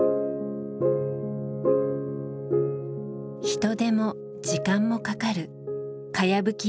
人手も時間もかかるかやぶき